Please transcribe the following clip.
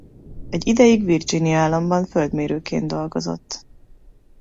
Egy ideig Virginia államban földmérőként dolgozott.